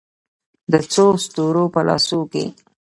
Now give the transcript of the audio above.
د څو ستورو په لاسو کې